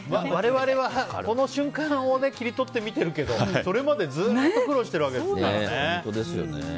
我々は、この瞬間を切り取って見てるけどそれまで、ずっと苦労してるわけですからね。